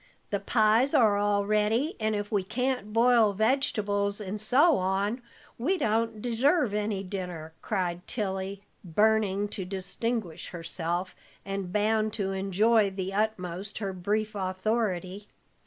The pies are all ready, and if we can't boil vegetables and so on, we don't deserve any dinner," cried Tilly, burning to distinguish herself, and bound to enjoy to the utmost her brief authority.